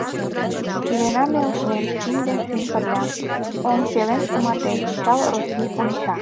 Илена ме ушнен — шӱм ден шӱм пырля. Оҥ пелен шыматен, чал Россий онча.